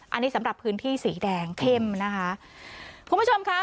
อันนี้สำหรับพื้นที่สีแดงเข้มนะคะคุณผู้ชมค่ะ